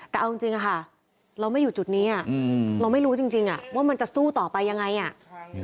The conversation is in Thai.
แต่เอาจริงอะค่ะเราไม่อยู่จุดนี้เราไม่รู้จริงจริงอ่ะว่ามันจะสู้ต่อไปยังไงอ่ะ